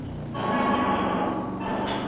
ماشینونه دلته نصب شول.